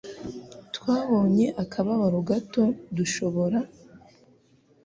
Twabonye akababaro gato dushobora